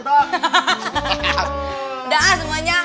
udah ah semuanya